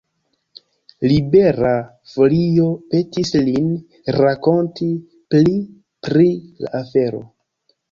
Libera Folio petis lin rakonti pli pri la afero.